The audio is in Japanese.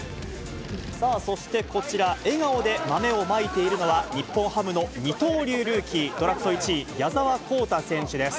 そしてこちら、笑顔で豆をまいているのは、日本ハムの二刀流ルーキー、ドラフト１位、矢澤宏太選手です。